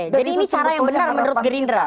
jadi ini cara yang benar menurut gerindra